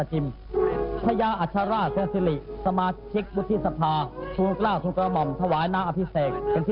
จากนั้นเวลา๑๑นาฬิกาเศรษฐ์พระธินั่งไพรศาลพักศิลป์